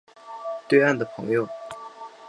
对岸的朋友